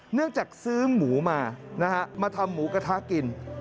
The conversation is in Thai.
เนื่องจากซื้อหมูมานะฮะมาทำหมูกระทะกิน